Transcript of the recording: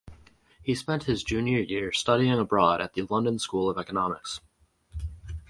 He spent his junior year studying abroad at the London School of Economics.